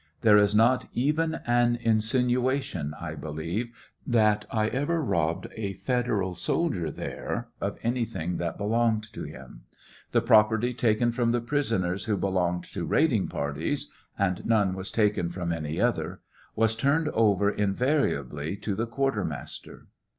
There is not even an insinuation, I believe, that I ever robbed a federal soldier there of any thing that belonged to him. The property taken from the prisoners who belonged! to raiding parties (and none was taken from any other) was turned over inva riably to the quartermaster.